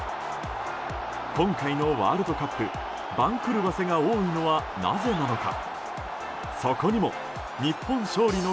今回のワールドカップ番狂わせが多いのはなぜなのか。